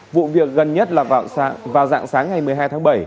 vụ việc gần nhất là vào dạng sáng ngày một mươi hai tháng bảy